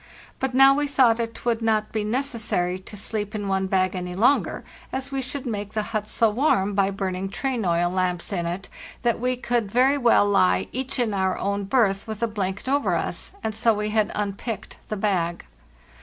But now we thought it would not be necessary to sleep in one bag any longer, o train oil as we should make the hut so warm by burning LAND AT LAST 427 lamps in it that we could very well lie each in our own berth with a blanket over us, and so we had unpicked the bag.